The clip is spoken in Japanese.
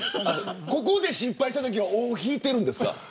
ここで失敗したときは尾を引いているんですか。